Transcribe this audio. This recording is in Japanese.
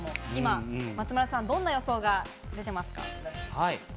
松丸さん、どんな予想が出ていますか？